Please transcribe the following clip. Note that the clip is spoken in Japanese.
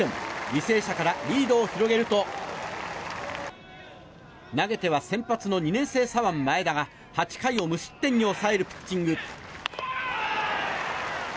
履正社からリードを広げると投げては先発の２年生左腕前田が８回を無失点に抑えるピッチング。